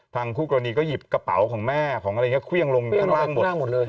คู่กรณีก็หยิบกระเป๋าของแม่ของอะไรอย่างนี้เครื่องลงข้างล่างหมดเลย